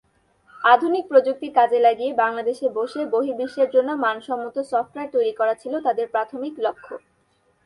আধুনিক প্রযুক্তি কাজে লাগিয়ে বাংলাদেশে বসে বহির্বিশ্বের জন্য মানসম্মত সফটওয়্যার তৈরি করা ছিল তাদের প্রাথমিক লক্ষ্য।